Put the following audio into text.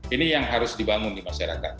ini yang harus dibangun di masyarakat